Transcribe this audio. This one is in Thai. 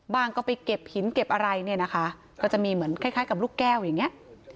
ก็ไปเก็บหินเก็บอะไรเนี่ยนะคะก็จะมีเหมือนคล้ายกับลูกแก้วอย่างเงี้ย